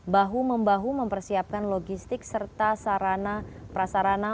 bahu membahu mempersiapkan logistik serta sarana prasarana